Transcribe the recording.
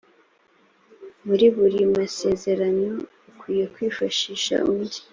muri buri masezerano ukwiye kwifashisha undi